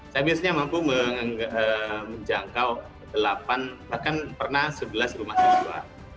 saya biasanya mampu menjangkau delapan bahkan pernah sebelas rumah siswa